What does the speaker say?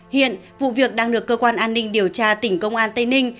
hiện vụ việc đang được cơ quan an ninh điều tra tỉnh công an tây ninh